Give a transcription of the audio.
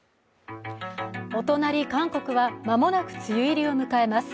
お隣、韓国は間もなく梅雨入りを迎えます。